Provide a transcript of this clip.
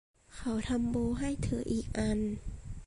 เขาทำโบว์ให้เธออีกอัน